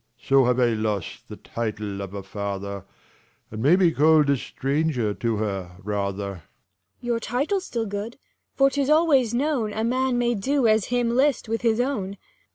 SB^ * So have I lost the title of a^ father, And may be call'd a stranger to her rather. Cor. Your title's good still : for 'tis always known, A man may do as him list with his own.